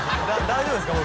大丈夫ですか？